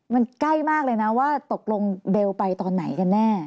มันใกล้มากเลยนะว่าตกลงเบลไปตอนไหนกันแน่